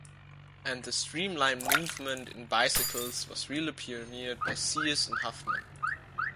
And the streamline movement in bicycles was really pioneered by Sears and Huffman.